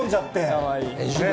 かわいい。